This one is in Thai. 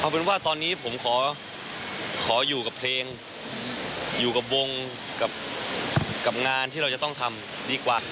เป็นว่าตอนนี้ผมขออยู่กับเพลงอยู่กับวงกับงานที่เราจะต้องทำดีกว่า